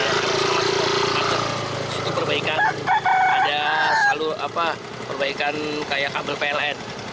itu perbaikan ada selalu perbaikan kayak kabel pln